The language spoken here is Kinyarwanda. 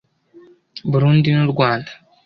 Burundi n’u Rwanda